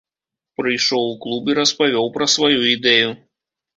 Прыйшоў у клуб і распавёў пра сваю ідэю.